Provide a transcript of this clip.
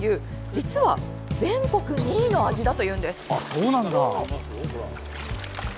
実は全国２位の味だというんです。